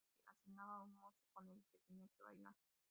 A cada moza se le asignaba un mozo con el que tenía que bailar.